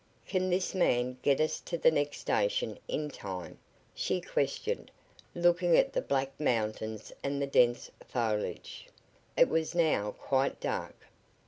"Can this man get us to the next station in time?" she questioned, looking at the black mountains and the dense foliage. It was now quite dark.